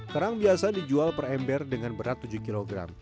kerang biasa dijual per ember dengan berat tujuh kg